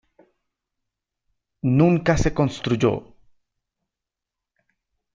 Nunca se construyó.